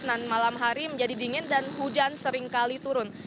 dan malam hari menjadi dingin dan hujan seringkali turun